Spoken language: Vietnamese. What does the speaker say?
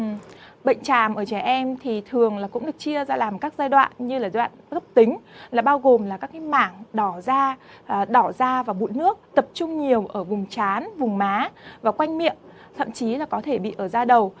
và bệnh chàm ở trẻ em thì thường cũng được chia ra làm các giai đoạn như là giai đoạn cấp tính là bao gồm là các mảng đỏ da và bụi nước tập trung nhiều ở vùng chán vùng má và quanh miệng thậm chí là có thể bị ở da đầu